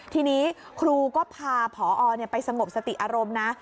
ทีนี้ครูก็พาผอไปสงบสติอารมณ์นะ